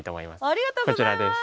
ありがとうございます。